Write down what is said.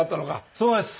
そうです。